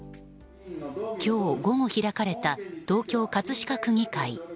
今日午後開かれた東京・葛飾区議会。